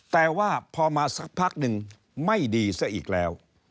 แต่ว่าพอมาสักพักหนึ่งไม่ดีซะอีกแล้ว